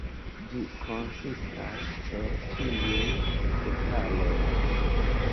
Ĝi konsistas el ĉiuj petaloj.